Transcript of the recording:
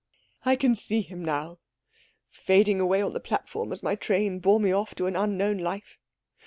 "I can see him now, fading away on the platform as my train bore me off to an unknown life.